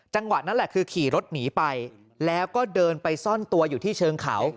จังหวะนั้นแหละคือขี่รถหนีไปแล้วก็เดินไปซ่อนตัวอยู่ที่เชิงเขา